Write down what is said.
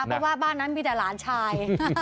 เพราะว่าบ้านนั้นมีแต่หลานชาย